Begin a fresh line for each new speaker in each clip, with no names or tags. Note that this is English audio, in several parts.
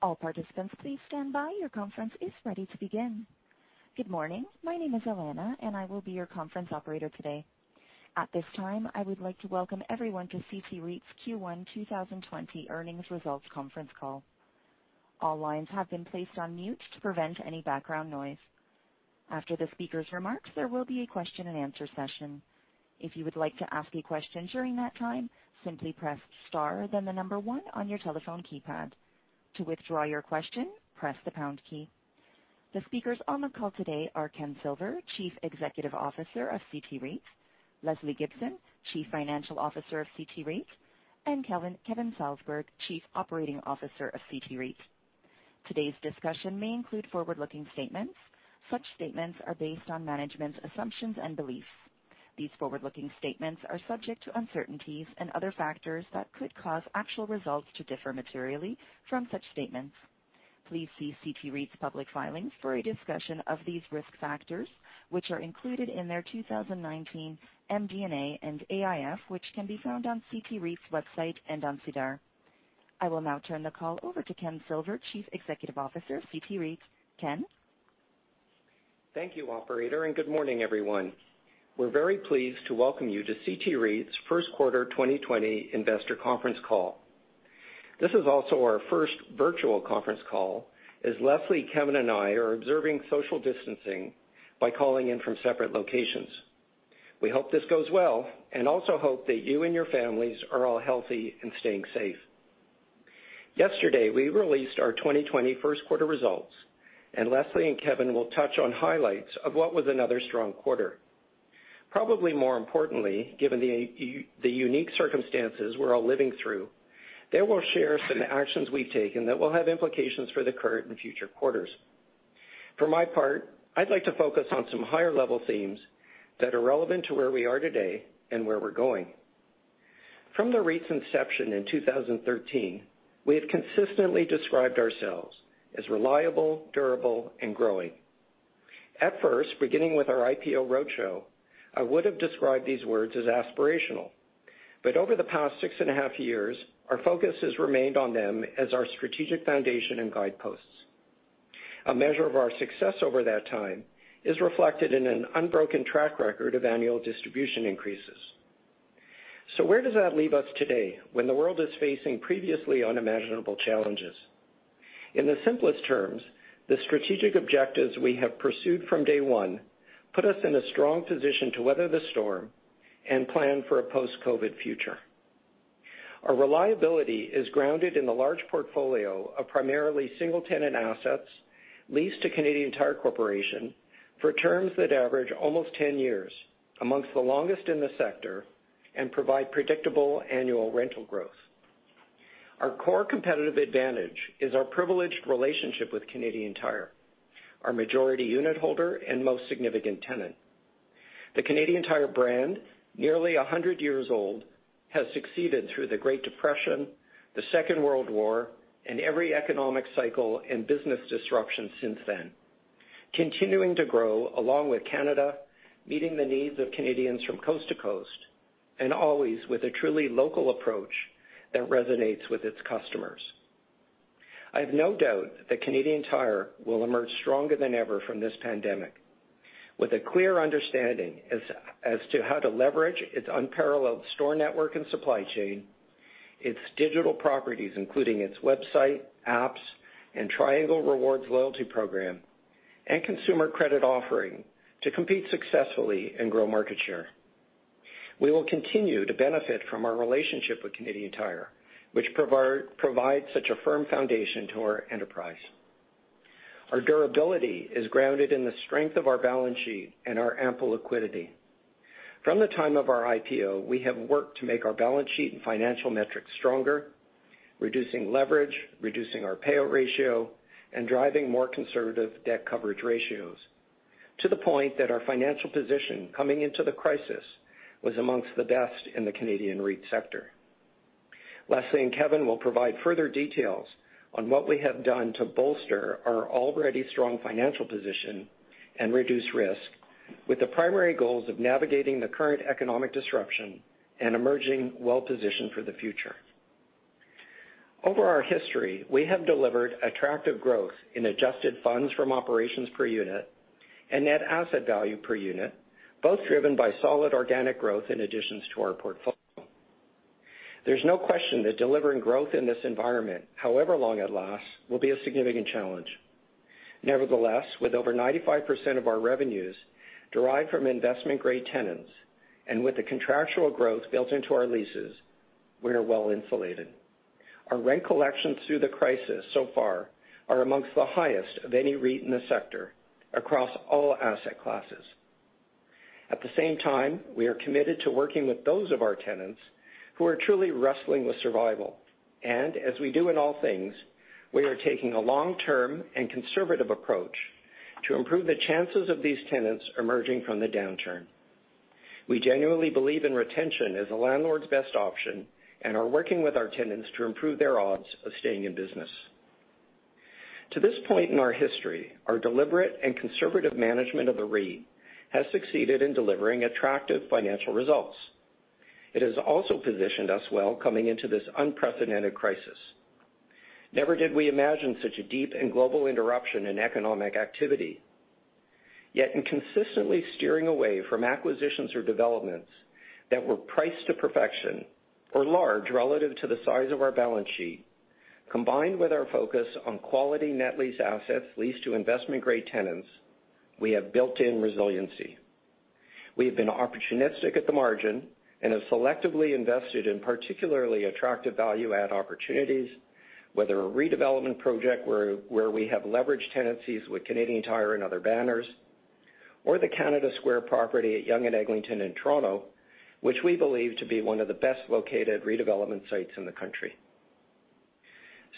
All participants, please stand by. Your conference is ready to begin. Good morning. My name is Elena, and I will be your conference operator today. At this time, I would like to welcome everyone to CT REIT's Q1 2020 earnings results conference call. All lines have been placed on mute to prevent any background noise. After the speakers' remarks, there will be a question-and-answer session. If you would like to ask a question during that time, simply press star then the number one on your telephone keypad. To withdraw your question, press the pound key. The speakers on the call today are Ken Silver, Chief Executive Officer of CT REIT, Lesley Gibson, Chief Financial Officer of CT REIT, and Kevin Salsberg, Chief Operating Officer of CT REIT. Today's discussion may include forward-looking statements. Such statements are based on management's assumptions and beliefs. These forward-looking statements are subject to uncertainties and other factors that could cause actual results to differ materially from such statements. Please see CT REIT's public filings for a discussion of these risk factors, which are included in their 2019 MD&A and AIF, which can be found on CT REIT's website and on SEDAR. I will now turn the call over to Ken Silver, Chief Executive Officer, CT REIT. Ken?
Thank you, operator, and good morning, everyone. We're very pleased to welcome you to CT REIT's first quarter 2020 investor conference call. This is also our first virtual conference call, as Lesley, Kevin, and I are observing social distancing by calling in from separate locations. We hope this goes well and also hope that you and your families are all healthy and staying safe. Yesterday, we released our 2020 first quarter results, and Lesley and Kevin will touch on highlights of what was another strong quarter. Probably more importantly, given the unique circumstances we're all living through, they will share some actions we've taken that will have implications for the current and future quarters. For my part, I'd like to focus on some higher-level themes that are relevant to where we are today and where we're going. From the REIT's inception in 2013, we have consistently described ourselves as reliable, durable, and growing. At first, beginning with our IPO roadshow, I would've described these words as aspirational. Over the past six and a half years, our focus has remained on them as our strategic foundation and guideposts. A measure of our success over that time is reflected in an unbroken track record of annual distribution increases. Where does that leave us today, when the world is facing previously unimaginable challenges? In the simplest terms, the strategic objectives we have pursued from day one put us in a strong position to weather the storm and plan for a post-COVID future. Our reliability is grounded in the large portfolio of primarily single-tenant assets leased to Canadian Tire Corporation for terms that average almost 10 years, amongst the longest in the sector, and provide predictable annual rental growth. Our core competitive advantage is our privileged relationship with Canadian Tire, our majority unit holder and most significant tenant. The Canadian Tire brand, nearly 100 years old, has succeeded through the Great Depression, the Second World War, and every economic cycle and business disruption since then, continuing to grow along with Canada, meeting the needs of Canadians from coast to coast, and always with a truly local approach that resonates with its customers. I have no doubt that Canadian Tire will emerge stronger than ever from this pandemic with a clear understanding as to how to leverage its unparalleled store network and supply chain, its digital properties, including its website, apps, and Triangle Rewards loyalty program, and consumer credit offering to compete successfully and grow market share. We will continue to benefit from our relationship with Canadian Tire, which provides such a firm foundation to our enterprise. Our durability is grounded in the strength of our balance sheet and our ample liquidity. From the time of our IPO, we have worked to make our balance sheet and financial metrics stronger, reducing leverage, reducing our payout ratio, and driving more conservative debt coverage ratios to the point that our financial position coming into the crisis was amongst the best in the Canadian REIT sector. Lesley and Kevin will provide further details on what we have done to bolster our already strong financial position and reduce risk with the primary goals of navigating the current economic disruption and emerging well-positioned for the future. Over our history, we have delivered attractive growth in adjusted funds from operations per unit and net asset value per unit, both driven by solid organic growth in additions to our portfolio. There's no question that delivering growth in this environment, however long it lasts, will be a significant challenge. Nevertheless, with over 95% of our revenues derived from investment-grade tenants and with the contractual growth built into our leases, we are well insulated. Our rent collections through the crisis so far are amongst the highest of any REIT in the sector across all asset classes. At the same time, we are committed to working with those of our tenants who are truly wrestling with survival. As we do in all things, we are taking a long-term and conservative approach to improve the chances of these tenants emerging from the downturn. We genuinely believe in retention as a landlord's best option and are working with our tenants to improve their odds of staying in business. To this point in our history, our deliberate and conservative management of the REIT has succeeded in delivering attractive financial results. It has also positioned us well coming into this unprecedented crisis. Never did we imagine such a deep and global interruption in economic activity. Yet in consistently steering away from acquisitions or developments that were priced to perfection or large relative to the size of our balance sheet, combined with our focus on quality net lease assets leased to investment-grade tenants, we have built-in resiliency. We have been opportunistic at the margin and have selectively invested in particularly attractive value-add opportunities, whether a redevelopment project where we have leveraged tenancies with Canadian Tire and other banners, or the Canada Square property at Yonge and Eglinton in Toronto, which we believe to be one of the best located redevelopment sites in the country.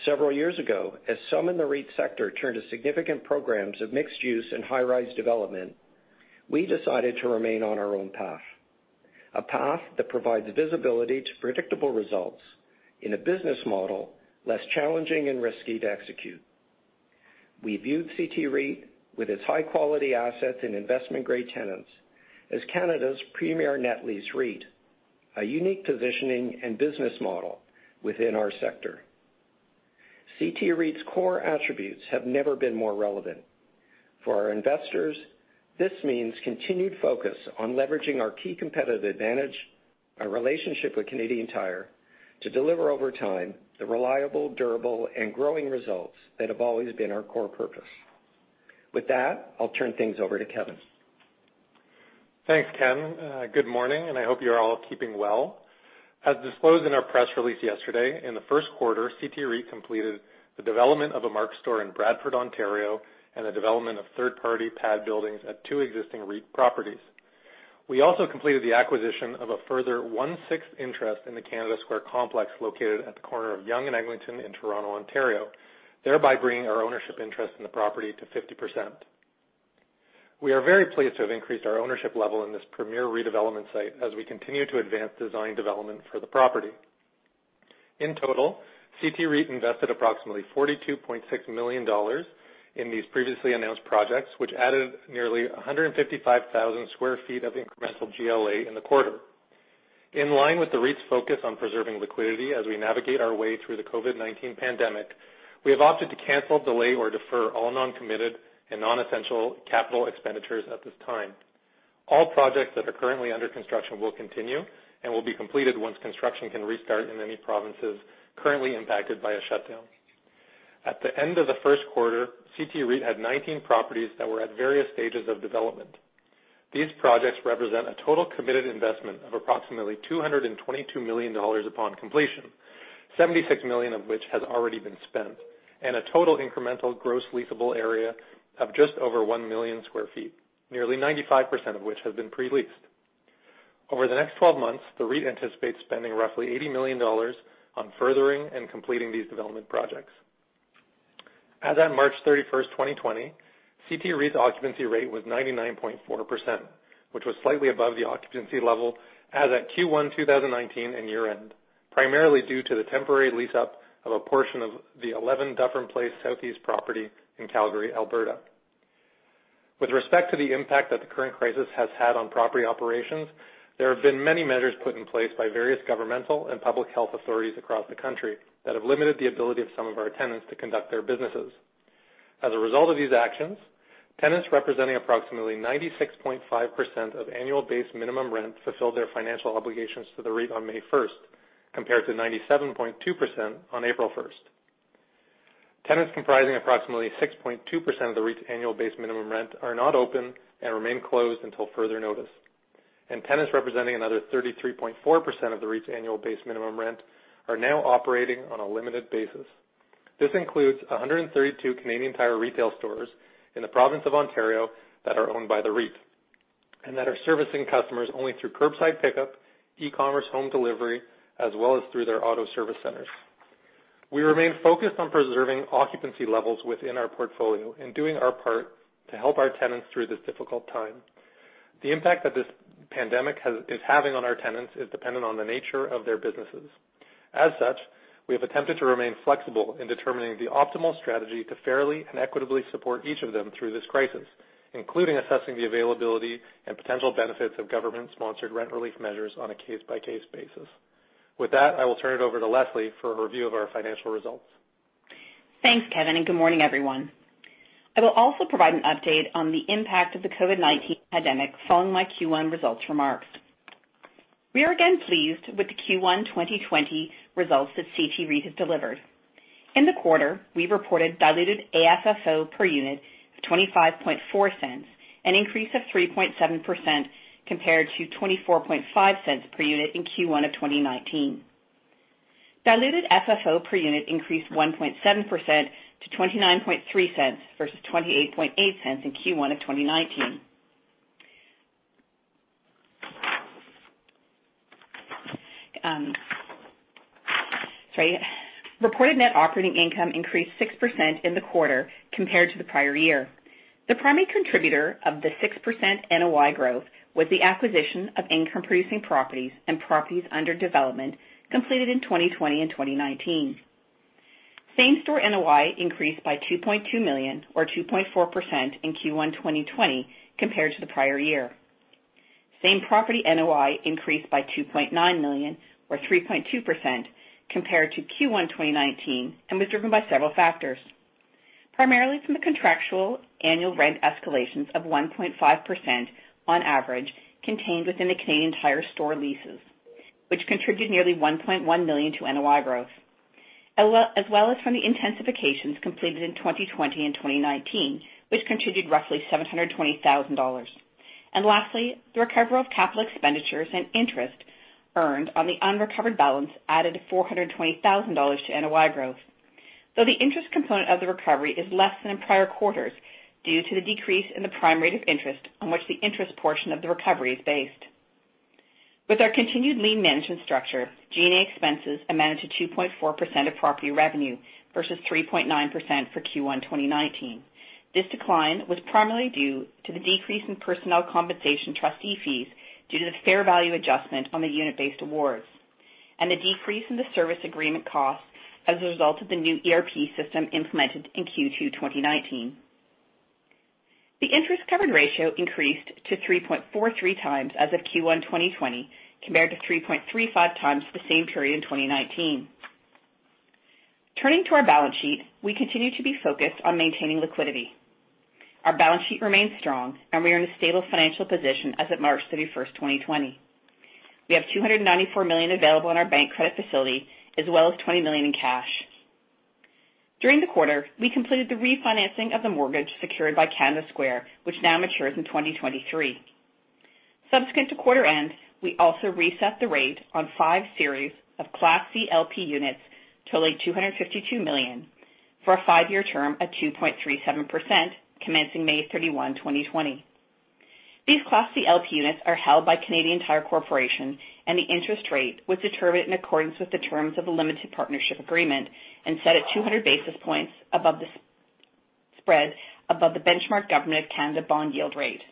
Several years ago, as some in the REIT sector turned to significant programs of mixed use and high-rise development, we decided to remain on our own path, a path that provides visibility to predictable results in a business model less challenging and risky to execute. We viewed CT REIT, with its high-quality assets and investment-grade tenants, as Canada's premier net lease REIT, a unique positioning and business model within our sector. CT REIT's core attributes have never been more relevant. For our investors, this means continued focus on leveraging our key competitive advantage, our relationship with Canadian Tire, to deliver over time the reliable, durable and growing results that have always been our core purpose. With that, I'll turn things over to Kevin.
Thanks, Ken. Good morning, and I hope you're all keeping well. As disclosed in our press release yesterday, in the first quarter, CT REIT completed the development of a Mark's store in Bradford, Ontario, and the development of third-party pad buildings at two existing REIT properties. We also completed the acquisition of a further 1/6 interest in the Canada Square complex located at the corner of Yonge and Eglinton in Toronto, Ontario, thereby bringing our ownership interest in the property to 50%. We are very pleased to have increased our ownership level in this premier redevelopment site as we continue to advance design development for the property. In total, CT REIT invested approximately 42.6 million dollars in these previously announced projects, which added nearly 155,000 sq ft of incremental GLA in the quarter. In line with the REIT's focus on preserving liquidity as we navigate our way through the COVID-19 pandemic, we have opted to cancel, delay or defer all non-committed and non-essential capital expenditures at this time. All projects that are currently under construction will continue and will be completed once construction can restart in any provinces currently impacted by a shutdown. At the end of the first quarter, CT REIT had 19 properties that were at various stages of development. These projects represent a total committed investment of approximately 222 million dollars upon completion, 76 million of which has already been spent, and a total incremental gross leasable area of just over 1 million sq ft, nearly 95% of which has been pre-leased. Over the next 12 months, the REIT anticipates spending roughly 80 million dollars on furthering and completing these development projects. As at March 31st, 2020, CT REIT's occupancy rate was 99.4%, which was slightly above the occupancy level as at Q1 2019 and year-end, primarily due to the temporary lease-up of a portion of the 11 Dufferin Place Southeast property in Calgary, Alberta. With respect to the impact that the current crisis has had on property operations, there have been many measures put in place by various governmental and public health authorities across the country that have limited the ability of some of our tenants to conduct their businesses. As a result of these actions, tenants representing approximately 96.5% of annual base minimum rent fulfilled their financial obligations to the REIT on May 1st, compared to 97.2% on April 1st. Tenants comprising approximately 6.2% of the REIT's annual base minimum rent are not open and remain closed until further notice. Tenants representing another 33.4% of the REIT's annual base minimum rent are now operating on a limited basis. This includes 132 Canadian Tire retail stores in the province of Ontario that are owned by the REIT and that are servicing customers only through curbside pickup, e-commerce home delivery, as well as through their auto service centers. We remain focused on preserving occupancy levels within our portfolio and doing our part to help our tenants through this difficult time. The impact that this pandemic is having on our tenants is dependent on the nature of their businesses. As such, we have attempted to remain flexible in determining the optimal strategy to fairly and equitably support each of them through this crisis, including assessing the availability and potential benefits of government-sponsored rent relief measures on a case-by-case basis. With that, I will turn it over to Lesley for a review of our financial results.
Thanks, Kevin. Good morning, everyone. I will also provide an update on the impact of the COVID-19 pandemic following my Q1 results remarks. We are again pleased with the Q1 2020 results that CT REIT has delivered. In the quarter, we reported diluted AFFO per unit of 0.254, an increase of 3.7% compared to 0.245 per unit in Q1 of 2019. Diluted FFO per unit increased 1.7% to 0.293 versus 0.288 in Q1 of 2019. Sorry. Reported net operating income increased 6% in the quarter compared to the prior year. The primary contributor of the 6% NOI growth was the acquisition of income-producing properties and properties under development completed in 2020 and 2019. Same-store NOI increased by 2.2 million, or 2.4%, in Q1 2020 compared to the prior year. Same-property NOI increased by 2.9 million, or 3.2%, compared to Q1 2019 and was driven by several factors, primarily from the contractual annual rent escalations of 1.5% on average contained within the Canadian Tire store leases, which contributed nearly 1.1 million to NOI growth. As well as from the intensifications completed in 2020 and 2019, which contributed roughly 720,000 dollars. Lastly, the recovery of capital expenditures and interest earned on the unrecovered balance added 420,000 dollars to NOI growth. Though the interest component of the recovery is less than in prior quarters due to the decrease in the prime rate of interest on which the interest portion of the recovery is based. With our continued lean management structure, G&A expenses amounted to 2.4% of property revenue versus 3.9% for Q1 2019. This decline was primarily due to the decrease in personnel compensation trustee fees due to the fair value adjustment on the unit-based awards and the decrease in the service agreement cost as a result of the new ERP system implemented in Q2 2019. The interest-covered ratio increased to 3.43x as of Q1 2020 compared to 3.35x for the same period in 2019. Turning to our balance sheet, we continue to be focused on maintaining liquidity. Our balance sheet remains strong, and we are in a stable financial position as of March 31st, 2020. We have 294 million available in our bank credit facility, as well as 20 million in cash. During the quarter, we completed the refinancing of the mortgage secured by Canada Square, which now matures in 2023. Subsequent to quarter end, we also reset the rate on five series of Class C LP Units totaling 252 million for a five-year term at 2.37% commencing May 31, 2020. These Class C LP Units are held by Canadian Tire Corporation, and the interest rate was determined in accordance with the terms of the limited partnership agreement and set at 200 basis points above the spread above the benchmark Government of Canada bond yield rate.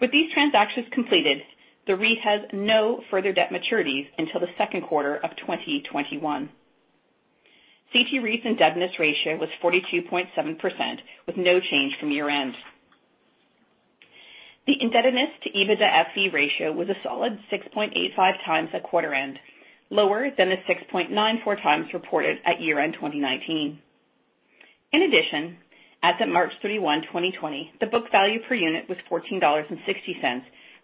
With these transactions completed, the REIT has no further debt maturities until the second quarter of 2021. CT REIT's indebtedness ratio was 42.7%, with no change from year end. The indebtedness to EBITDA FV ratio was a solid 6.85x at quarter end, lower than the 6.94x reported at year end 2019. In addition, as of March 31, 2020, the book value per unit was 14.60 dollars,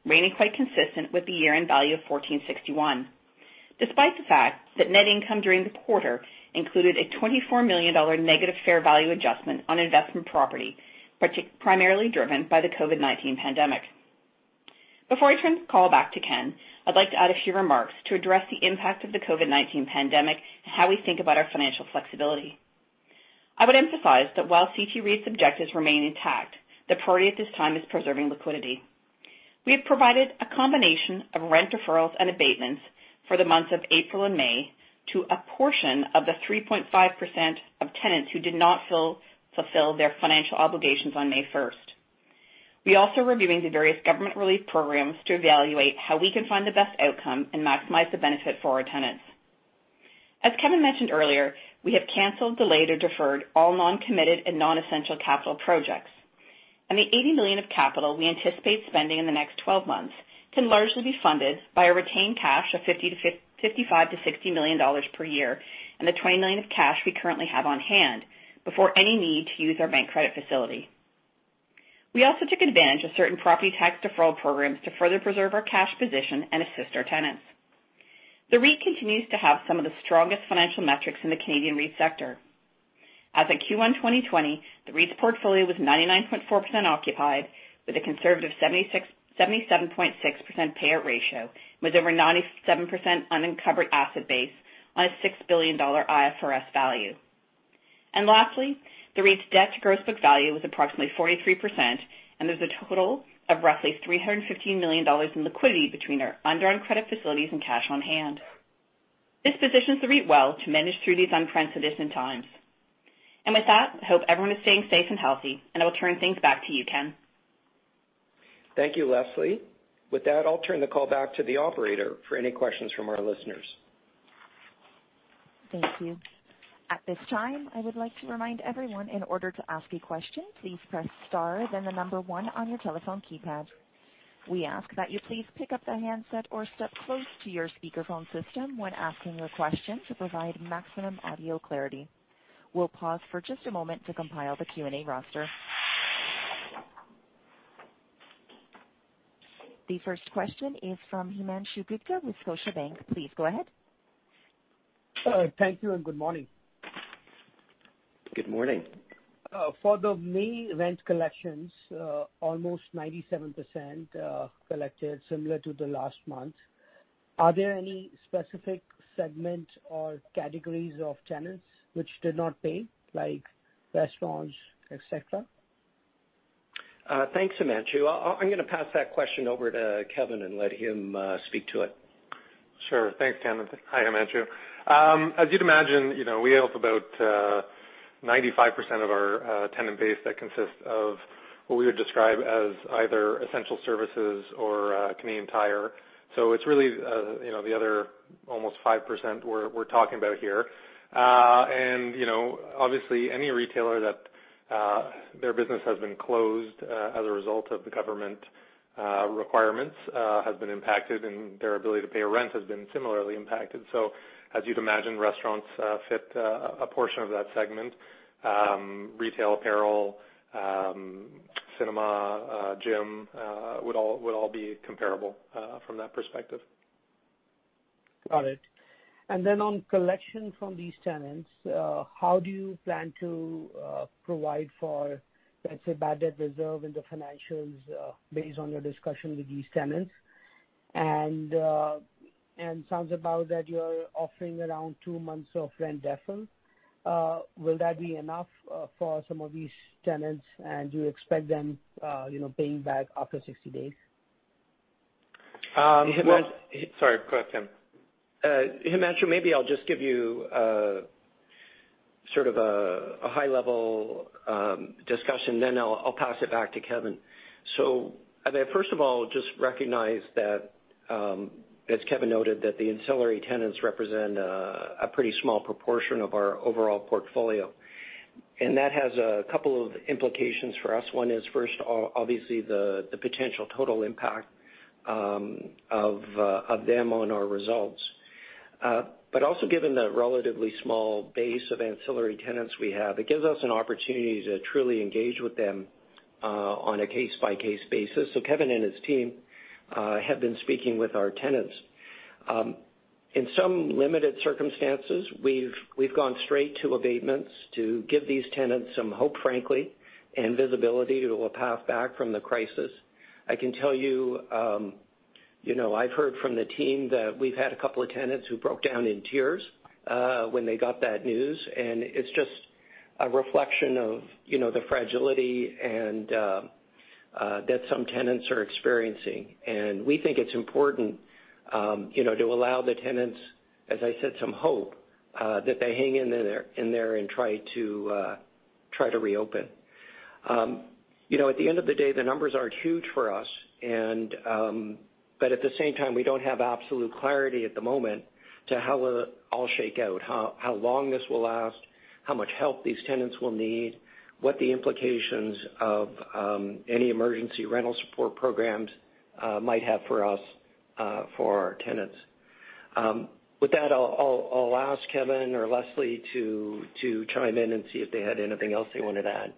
remaining quite consistent with the year-end value of 14.61. Despite the fact that net income during the quarter included a 24 million dollar negative fair value adjustment on investment property, primarily driven by the COVID-19 pandemic. Before I turn the call back to Ken, I'd like to add a few remarks to address the impact of the COVID-19 pandemic and how we think about our financial flexibility. I would emphasize that while CT REIT's objectives remain intact, the priority at this time is preserving liquidity. We have provided a combination of rent deferrals and abatements for the months of April and May to a portion of the 3.5% of tenants who did not fulfill their financial obligations on May 1st. We're also reviewing the various government relief programs to evaluate how we can find the best outcome and maximize the benefit for our tenants. As Kevin mentioned earlier, we have canceled, delayed, or deferred all non-committed and non-essential capital projects. The 80 million of capital we anticipate spending in the next 12 months can largely be funded by our retained cash of 55 million-60 million dollars per year and the 20 million of cash we currently have on hand before any need to use our bank credit facility. We also took advantage of certain property tax deferral programs to further preserve our cash position and assist our tenants. The REIT continues to have some of the strongest financial metrics in the Canadian REIT sector. As of Q1 2020, the REIT's portfolio was 99.4% occupied with a conservative 77.6% payout ratio, with over 97% unencumbered asset base on a 6 billion dollar IFRS value. Lastly, the REIT's debt to gross book value was approximately 43%, and there's a total of roughly 315 million dollars in liquidity between our undrawn credit facilities and cash on hand. This positions the REIT well to manage through these unprecedented times. With that, I hope everyone is staying safe and healthy, and I will turn things back to you, Ken.
Thank you, Lesley. With that, I'll turn the call back to the operator for any questions from our listeners.
Thank you. At this time, I would like to remind everyone in order to ask a question, please press star then the number one on your telephone keypad. We ask that you please pick up the handset or step close to your speakerphone system when asking your question to provide maximum audio clarity. We will pause for just a moment to compile the Q&A roster. The first question is from Himanshu Gupta with Scotiabank. Please go ahead.
Thank you. Good morning.
Good morning.
For the May rent collections, almost 97% collected, similar to the last month. Are there any specific segments or categories of tenants which did not pay, like restaurants, et cetera?
Thanks, Himanshu. I'm going to pass that question over to Kevin and let him speak to it.
Sure. Thanks, Ken. Hi, Himanshu. As you'd imagine, we have about 95% of our tenant base that consists of what we would describe as either essential services or Canadian Tire. It's really the other almost 5% we're talking about here. Obviously, any retailer that their business has been closed as a result of the government requirements has been impacted, and their ability to pay rent has been similarly impacted. As you'd imagine, restaurants fit a portion of that segment. Retail, apparel, cinema, gym would all be comparable from that perspective.
Got it. On collection from these tenants, how do you plan to provide for, let's say, bad debt reserve in the financials based on your discussion with these tenants? It sounds about that you're offering around two months of rent deferral. Will that be enough for some of these tenants, and do you expect them paying back after 60 days?
Sorry, go ahead, Ken.
Himanshu, maybe I'll just give you sort of a high-level discussion, then I'll pass it back to Kevin. First of all, just recognize that, as Kevin noted, that the ancillary tenants represent a pretty small proportion of our overall portfolio. That has a couple of implications for us. One is first, obviously the potential total impact of them on our results. Also given the relatively small base of ancillary tenants we have, it gives us an opportunity to truly engage with them on a case-by-case basis. Kevin and his team have been speaking with our tenants. In some limited circumstances, we've gone straight to abatements to give these tenants some hope, frankly, and visibility to a path back from the crisis. I can tell you, I've heard from the team that we've had a couple of tenants who broke down in tears when they got that news, and it's just a reflection of the fragility that some tenants are experiencing. We think it's important to allow the tenants, as I said, some hope that they hang in there and try to reopen. At the end of the day, the numbers aren't huge for us, but at the same time, we don't have absolute clarity at the moment to how it will all shake out, how long this will last, how much help these tenants will need, what the implications of any emergency rental support programs might have for us for our tenants. With that, I'll ask Kevin or Lesley to chime in and see if they had anything else they wanted to add.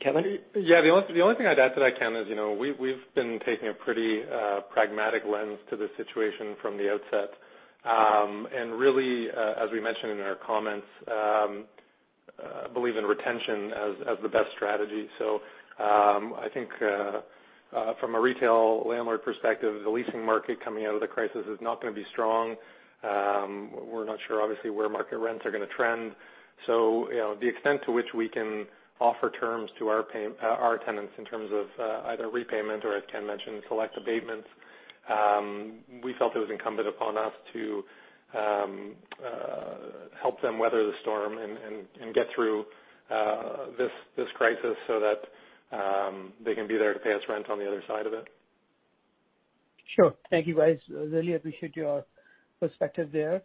Kevin?
The only thing I'd add to that, Ken, is we've been taking a pretty pragmatic lens to this situation from the outset. Really, as we mentioned in our comments, believe in retention as the best strategy. I think from a retail landlord perspective, the leasing market coming out of the crisis is not going to be strong. We're not sure, obviously, where market rents are going to trend. The extent to which we can offer terms to our tenants in terms of either repayment or, as Ken mentioned, select abatements, we felt it was incumbent upon us to help them weather the storm and get through this crisis so that they can be there to pay us rent on the other side of it.
Sure. Thank you, guys. Really appreciate your perspective there.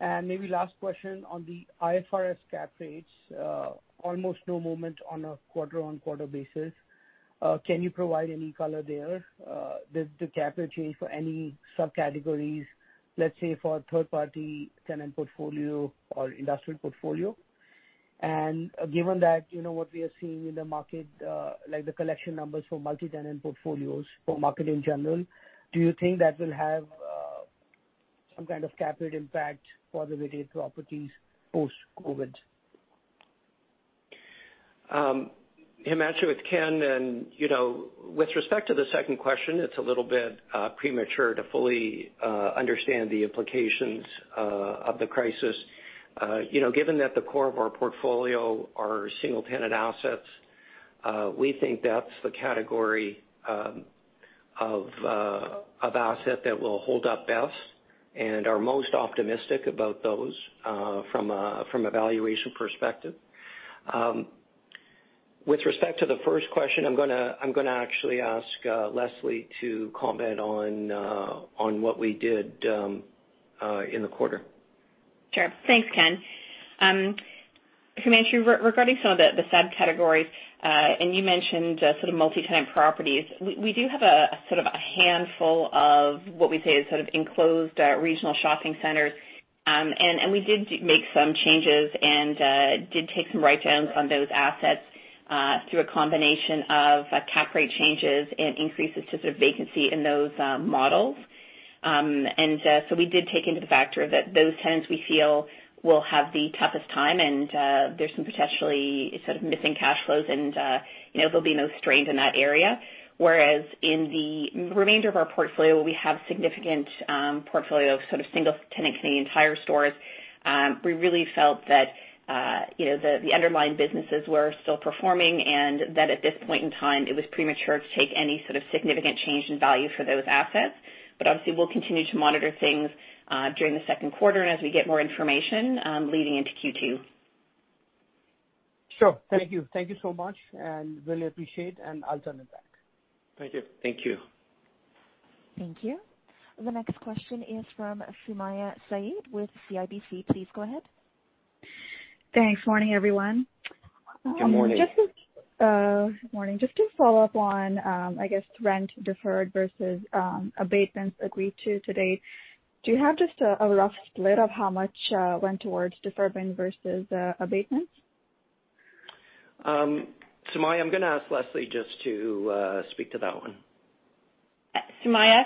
Maybe last question on the IFRS cap rates. Almost no movement on a quarter-over-quarter basis. Can you provide any color there? Does the cap rate change for any subcategories, let's say, for third-party tenant portfolio or industrial portfolio? Given that, what we are seeing in the market, like the collection numbers for multi-tenant portfolios for market in general, do you think that will have some kind of cap rate impact for the related properties post-COVID?
Himanshu, it's Ken. With respect to the second question, it's a little bit premature to fully understand the implications of the crisis. Given that the core of our portfolio are single-tenant assets, we think that's the category of asset that will hold up best and are most optimistic about those from a valuation perspective. With respect to the first question, I'm going to actually ask Lesley to comment on what we did in the quarter.
Sure. Thanks, Ken. Himanshu, regarding some of the subcategories, and you mentioned sort of multi-tenant properties. We do have a sort of a handful of what we say is sort of enclosed regional shopping centers, and we did make some changes and did take some write-downs on those assets through a combination of cap rate changes and increases to sort of vacancy in those models. We did take into the factor that those tenants, we feel, will have the toughest time, and there's some potentially sort of missing cash flows, and there'll be no strain in that area. Whereas in the remainder of our portfolio, we have significant portfolio of sort of single-tenant Canadian Tire stores. We really felt that the underlying businesses were still performing, and that at this point in time, it was premature to take any sort of significant change in value for those assets. Obviously, we'll continue to monitor things during the second quarter and as we get more information leading into Q2.
Sure. Thank you. Thank you so much and really appreciate, and I'll turn it back.
Thank you.
Thank you.
Thank you. The next question is from Sumayya Syed with CIBC. Please go ahead.
Thanks. Morning, everyone.
Good morning.
Morning. Just to follow up on, I guess, rent deferred versus abatements agreed to to date, do you have just a rough split of how much went towards deferment versus abatements?
Sumayya, I'm going to ask Lesley just to speak to that one.
Sumayya,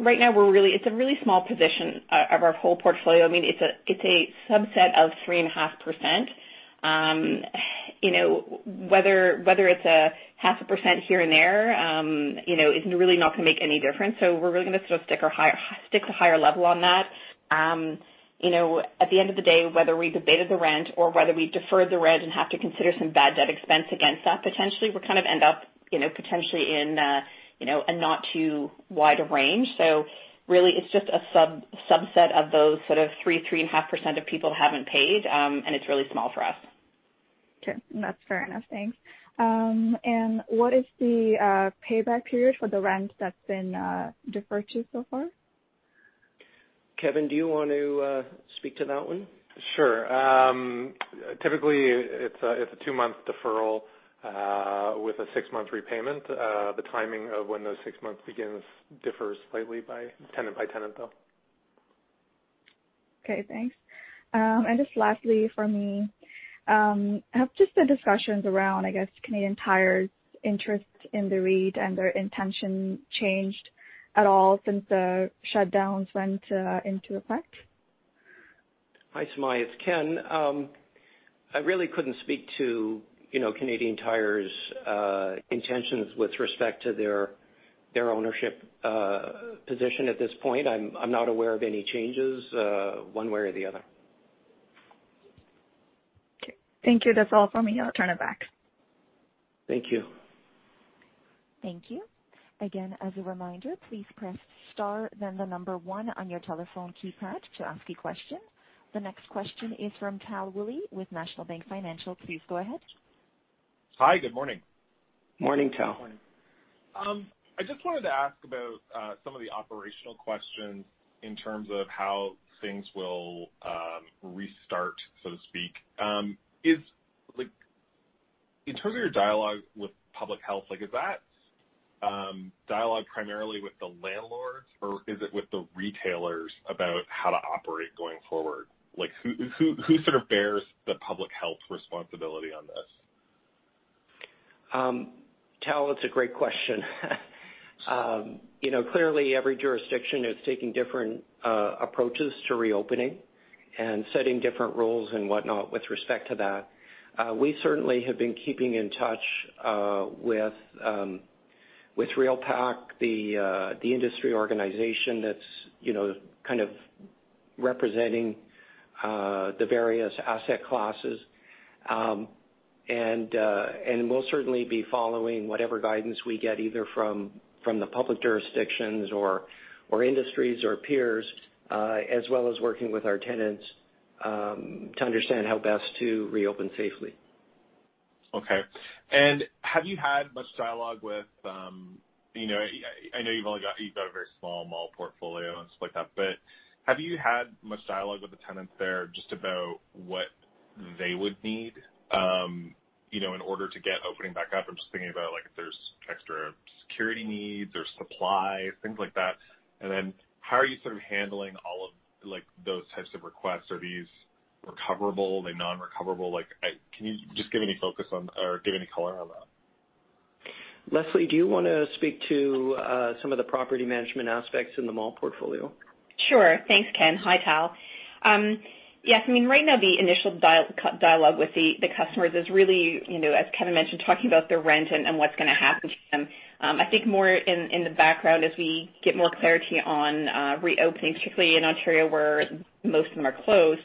right now it's a really small position of our whole portfolio. It's a subset of 3.5%. Whether it's a 0.5% here and there, is really not going to make any difference. We're really going to sort of stick a higher level on that. At the end of the day, whether we've abated the rent or whether we deferred the rent and have to consider some bad debt expense against that, potentially, we'll kind of end up potentially in a not too wide a range. Really it's just a subset of those sort of 3%, 3.5% of people who haven't paid. It's really small for us.
Okay. That's fair enough. Thanks. What is the payback period for the rent that's been deferred to so far?
Kevin, do you want to speak to that one?
Sure. Typically, it's a two-month deferral with a six-month repayment. The timing of when those six months begins differs slightly by tenant, though.
Okay, thanks. Just lastly from me, have just the discussions around, I guess, Canadian Tire's interest in the REIT and their intention changed at all since the shutdowns went into effect?
Hi, Sumayya. It's Ken. I really couldn't speak to Canadian Tire's intentions with respect to their ownership position at this point. I'm not aware of any changes one way or the other.
Okay. Thank you. That's all from me. I'll turn it back.
Thank you.
Thank you. Again, as a reminder, please press star then the number one on your telephone keypad to ask a question. The next question is from Tal Woolley with National Bank Financial. Please go ahead.
Hi. Good morning.
Morning, Tal.
I just wanted to ask about some of the operational questions in terms of how things will restart, so to speak. In terms of your dialogue with public health, is that dialogue primarily with the landlords, or is it with the retailers about how to operate going forward? Who sort of bears the public health responsibility on this?
Tal, it's a great question. Clearly, every jurisdiction is taking different approaches to reopening and setting different rules and whatnot with respect to that. We certainly have been keeping in touch with REALPAC, the industry organization that's kind of representing the various asset classes. We'll certainly be following whatever guidance we get, either from the public jurisdictions or industries or peers, as well as working with our tenants to understand how best to reopen safely.
Okay. Have you had much dialogue with I know you've got a very small mall portfolio and so like that, but have you had much dialogue with the tenants there just about what they would need in order to get opening back up? I'm just thinking about if there's extra security needs or supplies, things like that. How are you sort of handling all of those types of requests? Are these recoverable? Are they non-recoverable? Can you just give any color on that?
Lesley, do you want to speak to some of the property management aspects in the mall portfolio?
Sure. Thanks, Ken. Hi, Tal. Yes, right now the initial dialogue with the customers is really, as Ken mentioned, talking about their rent and what's going to happen to them. I think more in the background as we get more clarity on reopening, particularly in Ontario where most of them are closed,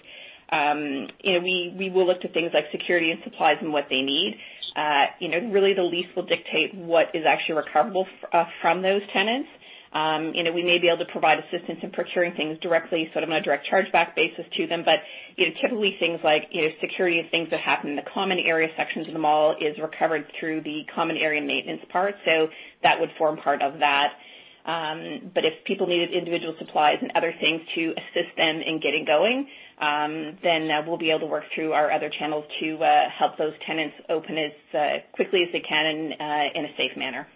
we will look to things like security and supplies and what they need. Really, the lease will dictate what is actually recoverable from those tenants. We may be able to provide assistance in procuring things directly, sort of on a direct charge back basis to them. Typically things like security and things that happen in the common area sections of the mall is recovered through the common area maintenance part. That would form part of that. If people needed individual supplies and other things to assist them in getting going, then we'll be able to work through our other channels to help those tenants open as quickly as they can in a safe manner.
Okay.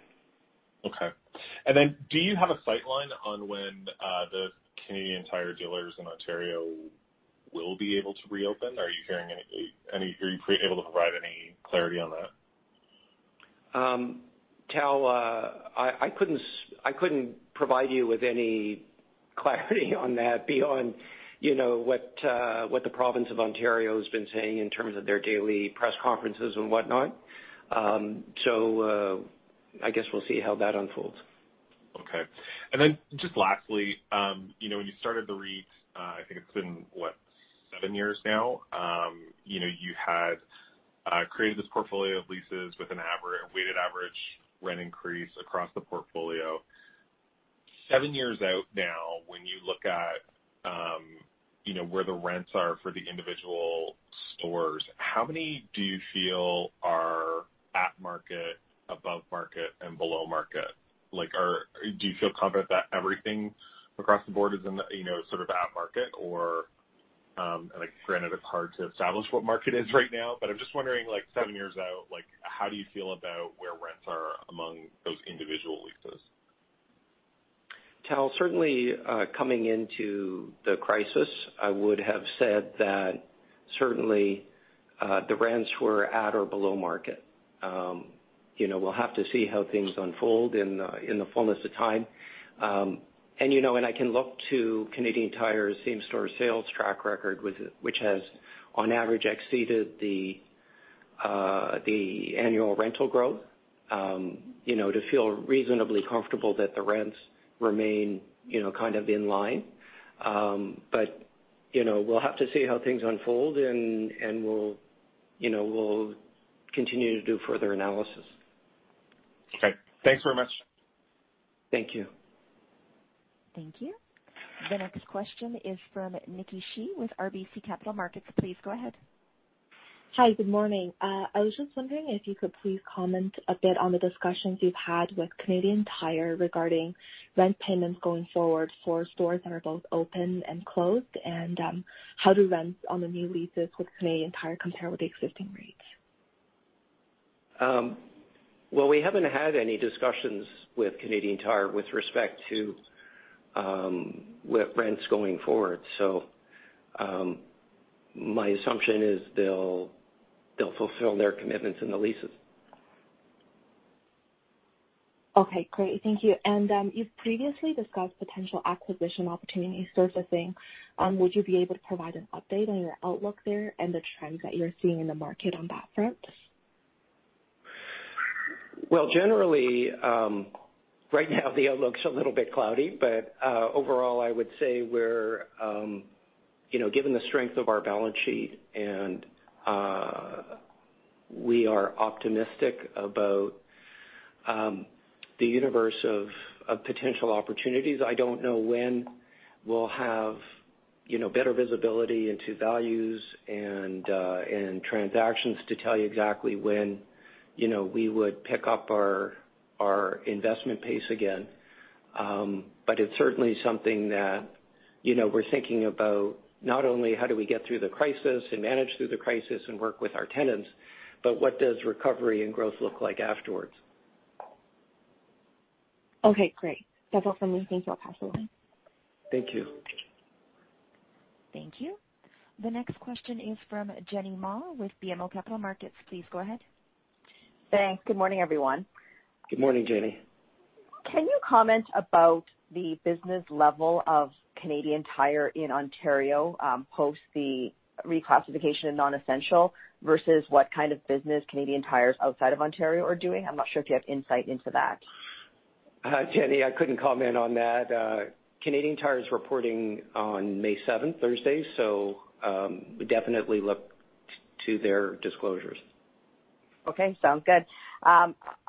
Do you have a sightline on when the Canadian Tire dealers in Ontario will be able to reopen? Are you able to provide any clarity on that?
Tal, I couldn't provide you with any clarity on that beyond what the province of Ontario has been saying in terms of their daily press conferences and whatnot. I guess we'll see how that unfolds.
Okay. Then just lastly, when you started the REIT, I think it's been, what, seven years now. You had created this portfolio of leases with a weighted average rent increase across the portfolio. Seven years out now, when you look at where the rents are for the individual stores, how many do you feel are at market, above market, and below market? Do you feel confident that everything across the board is sort of at market? And granted, it's hard to establish what market is right now, but I'm just wondering, seven years out, how do you feel about where rents are among those individual leases?
Tal, certainly, coming into the crisis, I would have said that certainly the rents were at or below market. We'll have to see how things unfold in the fullness of time. I can look to Canadian Tire's same-store sales track record, which has, on average, exceeded the annual rental growth to feel reasonably comfortable that the rents remain kind of in line. We'll have to see how things unfold, and we'll continue to do further analysis.
Okay. Thanks very much.
Thank you.
Thank you. The next question is from Niki Shi with RBC Capital Markets. Please go ahead.
Hi. Good morning. I was just wondering if you could please comment a bit on the discussions you've had with Canadian Tire regarding rent payments going forward for stores that are both open and closed, and how do rents on the new leases with Canadian Tire compare with the existing rates?
Well, we haven't had any discussions with Canadian Tire with respect to rents going forward. My assumption is they'll fulfill their commitments in the leases.
Okay, great. Thank you. You've previously discussed potential acquisition opportunities surfacing. Would you be able to provide an update on your outlook there and the trends that you're seeing in the market on that front?
Well, generally, right now the outlook's a little bit cloudy, but overall, I would say given the strength of our balance sheet, and we are optimistic about the universe of potential opportunities. I don't know when we'll have better visibility into values and transactions to tell you exactly when we would pick up our investment pace again. It's certainly something that we're thinking about, not only how do we get through the crisis and manage through the crisis and work with our tenants, but what does recovery and growth look like afterwards.
Okay, great. That's all for me. Thank you. I'll pass it on.
Thank you.
Thank you. The next question is from Jenny Ma with BMO Capital Markets. Please go ahead.
Thanks. Good morning, everyone.
Good morning, Jenny.
Can you comment about the business level of Canadian Tire in Ontario post the reclassification of non-essential versus what kind of business Canadian Tires outside of Ontario are doing? I'm not sure if you have insight into that.
Jenny, I couldn't comment on that. Canadian Tire's reporting on May 7th, Thursday, so definitely look to their disclosures.
Okay, sounds good.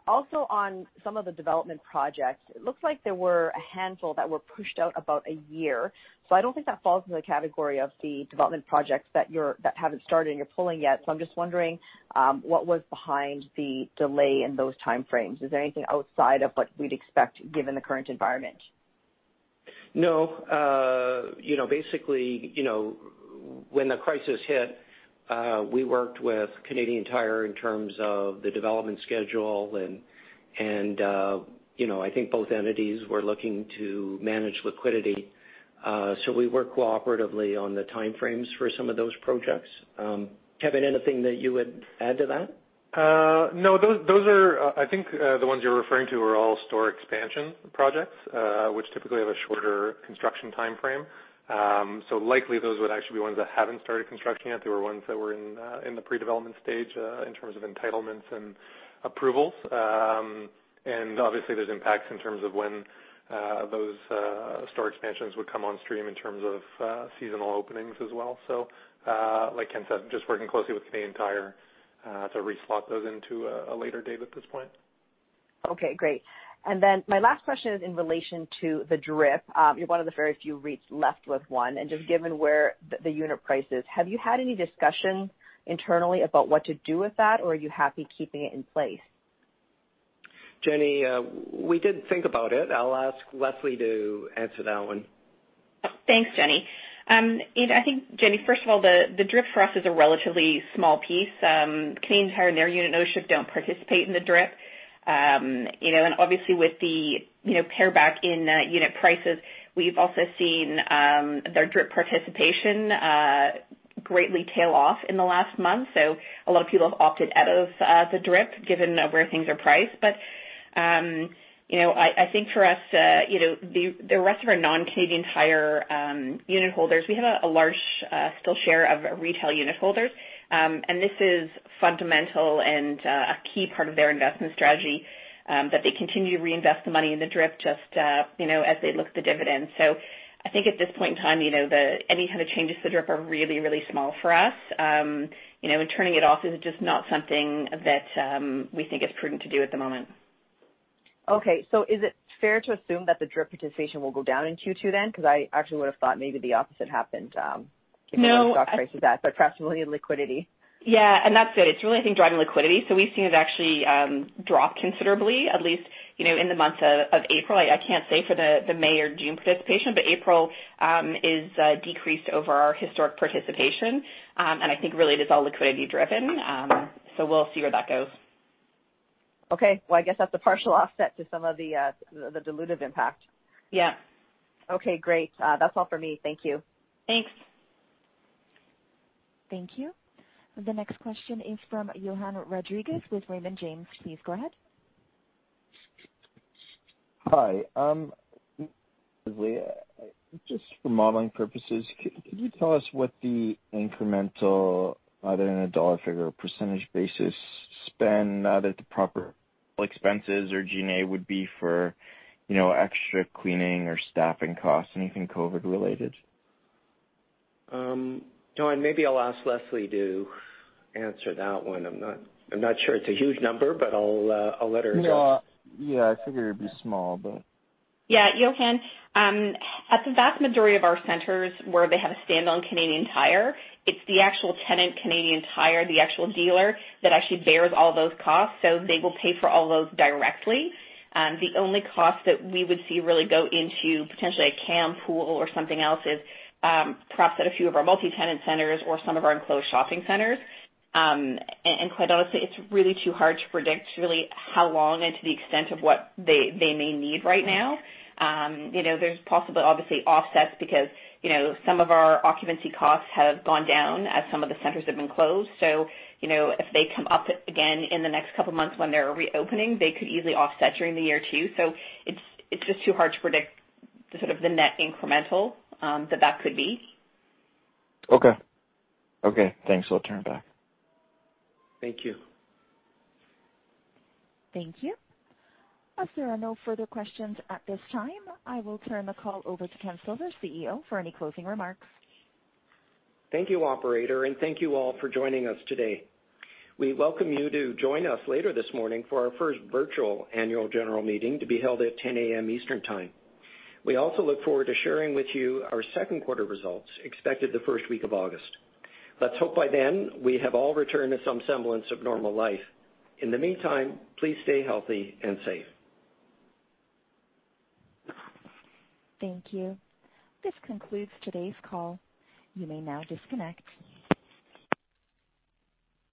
Also on some of the development projects, it looks like there were a handful that were pushed out about a year. I don't think that falls into the category of the development projects that haven't started and you're pulling yet. I'm just wondering what was behind the delay in those time frames. Is there anything outside of what we'd expect given the current environment?
No. Basically, when the crisis hit, we worked with Canadian Tire in terms of the development schedule and I think both entities were looking to manage liquidity. We worked cooperatively on the time frames for some of those projects. Kevin, anything that you would add to that?
No, I think the ones you're referring to are all store expansion projects, which typically have a shorter construction time frame. Likely those would actually be ones that haven't started construction yet. They were ones that were in the pre-development stage, in terms of entitlements and approvals. Obviously there's impacts in terms of when those store expansions would come on stream in terms of seasonal openings as well. Like Ken said, just working closely with Canadian Tire to reslot those into a later date at this point.
Okay, great. My last question is in relation to the DRIP. You're one of the very few REITs left with one, and just given where the unit price is, have you had any discussion internally about what to do with that, or are you happy keeping it in place?
Jenny, we did think about it. I'll ask Lesley to answer that one.
Thanks, Jenny. I think, Jenny, first of all, the DRIP for us is a relatively small piece. Canadian Tire and their unit ownership don't participate in the DRIP. Obviously with the pare back in unit prices, we've also seen their DRIP participation greatly tail off in the last month. A lot of people have opted out of the DRIP given where things are priced. I think for us, the rest of our non-Canadian Tire unit holders, we have a large still share of retail unit holders. This is fundamental and a key part of their investment strategy. But they continue to reinvest the money in the DRIP just as they look at the dividends. I think at this point in time, any kind of changes to DRIP are really small for us. Turning it off is just not something that we think is prudent to do at the moment.
Okay. Is it fair to assume that the DRIP participation will go down in Q2 then? I actually would've thought maybe the opposite happened.
No.
Given the stock price is that, but possibly in liquidity.
Yeah, that's it. It's really, I think, driving liquidity. We've seen it actually drop considerably, at least in the month of April. I can't say for the May or June participation, but April is decreased over our historic participation. I think really it is all liquidity driven. We'll see where that goes.
Okay. Well, I guess that's a partial offset to some of the dilutive impact.
Yeah.
Okay, great. That's all for me. Thank you.
Thanks.
Thank you. The next question is from Johann Rodrigues with Raymond James. Please go ahead.
Hi. Lesley, just for modeling purposes, could you tell us what the incremental, either in a dollar figure or percentage basis spend, now that the proper expenses or G&A would be for extra cleaning or staffing costs, anything COVID related?
Johann, maybe I'll ask Lesley to answer that one. I'm not sure it's a huge number, but I'll let her address.
No. Yeah, I figured it'd be small.
Johann, at the vast majority of our centers where they have a standalone Canadian Tire, it's the actual tenant, Canadian Tire, the actual dealer that actually bears all those costs. They will pay for all those directly. The only cost that we would see really go into potentially a CAM pool or something else is perhaps at a few of our multi-tenant centers or some of our enclosed shopping centers. Quite honestly, it's really too hard to predict really how long and to the extent of what they may need right now. There's possibly obviously offsets because some of our occupancy costs have gone down as some of the centers have been closed. If they come up again in the next couple of months when they're reopening, they could easily offset during the year too. It's just too hard to predict the sort of the net incremental that that could be.
Okay. Thanks a lot. Turn back.
Thank you.
Thank you. As there are no further questions at this time, I will turn the call over to Ken Silver, CEO, for any closing remarks.
Thank you, operator, and thank you all for joining us today. We welcome you to join us later this morning for our first virtual Annual General Meeting to be held at 10:00 A.M. Eastern Time. We also look forward to sharing with you our second quarter results expected the first week of August. Let's hope by then we have all returned to some semblance of normal life. In the meantime, please stay healthy and safe.
Thank you. This concludes today's call. You may now disconnect.